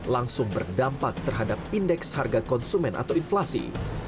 langsung berdampak terhadap indeks harga konsumen atau inflasi